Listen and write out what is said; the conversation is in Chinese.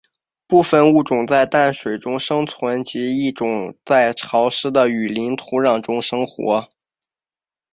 部分物种在淡水生存及一种在潮湿的雨林土壤中生活。